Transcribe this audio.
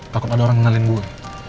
takut ada orang ngenalin gue